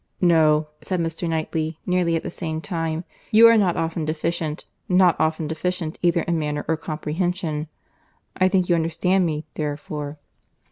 "No," said Mr. Knightley, nearly at the same time; "you are not often deficient; not often deficient either in manner or comprehension. I think you understand me, therefore."